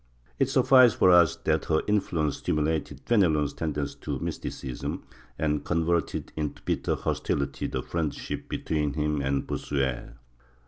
It suffices for us that her influence stimulated Fenelon's tendency to Mysticism and con verted into bitter hostility the friendship between him and Bossuet.